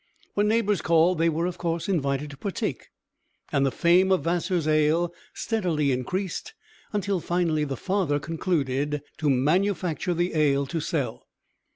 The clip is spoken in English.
When neighbors called they were, of course, invited to partake, and the fame of Vassar's ale steadily increased, until finally the father concluded to manufacture the ale to sell.